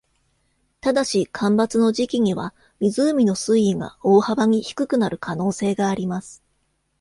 ただし、干ばつの時期には湖の水位が大幅に低くなる可能性があります。